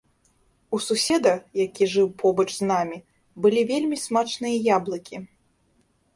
У суседа, які жыў побач з намі, былі вельмі смачныя яблыкі.